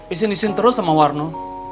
isin isin terus sama warna